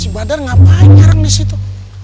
si badar ngapain nyarang di situ